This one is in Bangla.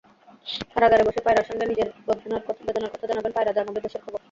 কারাগারে বসে পায়রার সঙ্গে নিজের বেদনার কথা জানাবেন, পায়রা জানাবে দেশের খবর।